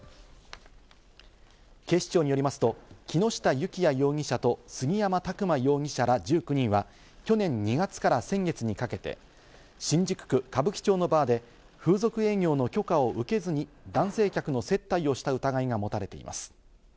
警視庁によりますと、木下幸也容疑者と杉山琢磨容疑者ら１９人は去年２月から先月にかけて、新宿区歌舞伎町のバーで風俗営業の許可を受けずに男性客の接待をした疑いが持たれています。